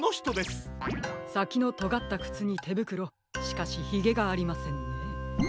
さきのとがったくつにてぶくろしかしひげがありませんね。